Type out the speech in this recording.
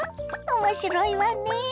面白いわね。